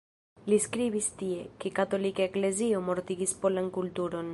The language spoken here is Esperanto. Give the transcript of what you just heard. Li skribis tie, ke katolika eklezio "mortigis polan kulturon".